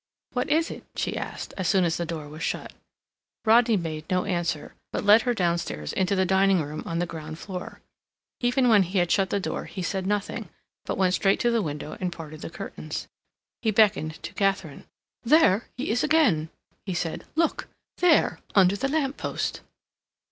"What is it?" she asked, as soon as the door was shut. Rodney made no answer, but led her downstairs into the dining room on the ground floor. Even when he had shut the door he said nothing, but went straight to the window and parted the curtains. He beckoned to Katharine. "There he is again," he said. "Look, there—under the lamp post."